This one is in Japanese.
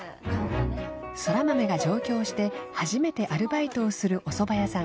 空豆が上京して初めてアルバイトをするおそば屋さん